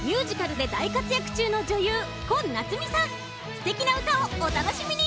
すてきなうたをおたのしみに！